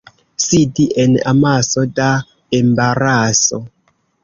Sidi en amaso da embaraso.